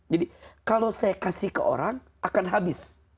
jadi kalau saya kasih ke orang akan habis